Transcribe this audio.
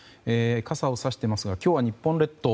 傘をさしていますが今日は、日本列島